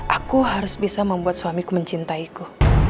aku harus bisa membuat suamiku mencintaiku